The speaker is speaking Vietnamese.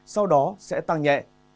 sau đó sẽ tăng nhẹ